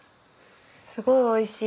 すごいおいしい！